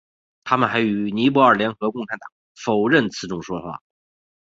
他们还与尼泊尔联合共产党否认此种说法。